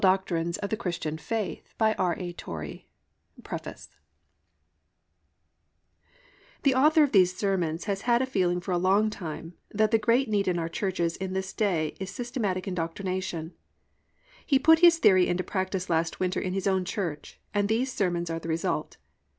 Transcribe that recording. Torrey_ Printed in the United States of America PREFACE The author of these sermons has had a feeling for a long time that the great need in our churches in this day is systematic indoctrination. He put his theory into practice last winter in his own church, and these sermons are the result.